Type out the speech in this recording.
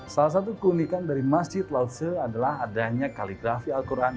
salah satu keunikan dari masjid lause adalah adanya kaligrafi al quran